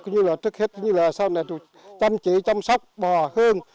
như là trước hết như là sau này chăm chỉ chăm sóc bò hơn